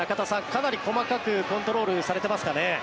かなり細かくコントロールされてますかね。